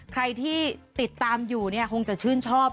ใครที่ติดตามอยู่เนี่ยคงจะชื่นชอบ